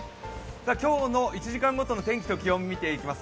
今日の１時間ごとの天気と気温見ていきます。